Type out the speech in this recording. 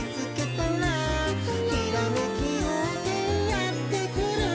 「ひらめきようせいやってくる」